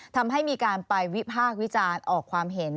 ทำให้มีการไปวิพากษ์วิจารณ์ออกความเห็น